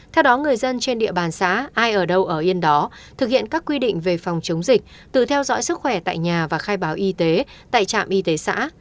theo đó người dân trên địa bàn xã ai ở đâu ở yên đó thực hiện các quy định về phòng chống dịch từ theo dõi sức khỏe tại nhà và khai báo y tế tại trạm y tế xã